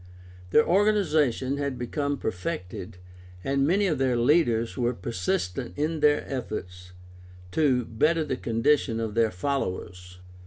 Their organization had become perfected, and many of their leaders were persistent in their efforts to better the condition of their followers.